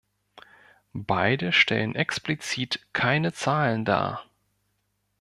Beide stellen explizit keine Zahlen dar.